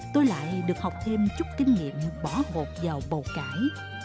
tôi lại được học thêm chút kinh nghiệm bỏ hột vào bầu cải